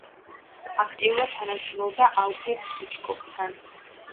აქტიურად თანამშრომლობდა ალფრედ ჰიჩკოკთან.